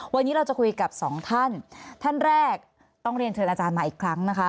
วันนี้เราจะคุยกับสองท่านท่านแรกต้องเรียนเชิญอาจารย์มาอีกครั้งนะคะ